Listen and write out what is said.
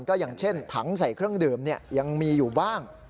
ก็อย่างเช่นถังใส่เครื่องดื่มยังมีอยู่บ้าง